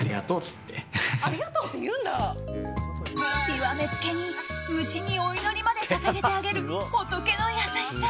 極め付けに虫にお祈りまで捧げてあげる仏の優しさ。